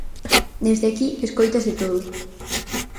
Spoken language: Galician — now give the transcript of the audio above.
Desde aquí escóitase todo.